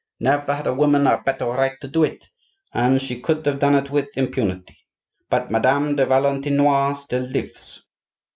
Never had a woman a better right to do it; and she could have done it with impunity; but Madame de Valentinois still lives."